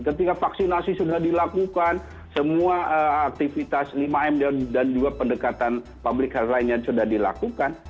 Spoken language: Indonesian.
ketika vaksinasi sudah dilakukan semua aktivitas lima m dan juga pendekatan public health lainnya sudah dilakukan